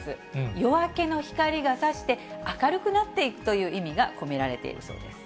夜明けの光がさして、明るくなっていくという意味が込められているそうです。